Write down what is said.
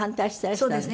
そうですね。